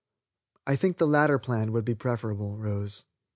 I think the latter plan would be preferable, Rose.